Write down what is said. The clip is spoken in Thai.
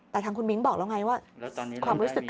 แต่ทางคุณมิ้งบอกแล้วไงว่าความรู้สึก